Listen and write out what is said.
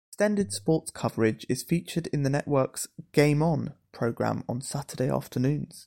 Extended sports coverage is featured in the network's "Game On" programme on Saturday afternoons.